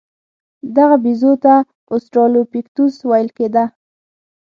دغه بیزو ته اوسترالوپیتکوس ویل کېده.